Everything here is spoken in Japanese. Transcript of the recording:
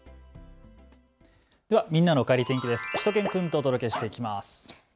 みんなのおかえり天気です。